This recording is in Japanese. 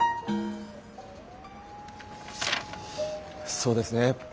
「そうですね